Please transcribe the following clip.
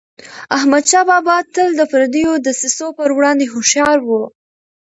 احمدشاه بابا به تل د پردیو دسیسو پر وړاندي هوښیار و.